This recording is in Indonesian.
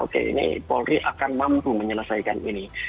oke ini polri akan mampu menyelesaikan ini